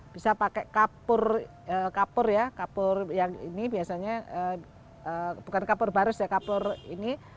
bisa pakai kapur kapur ya kapur yang ini biasanya bukan kapur barus ya kapur ini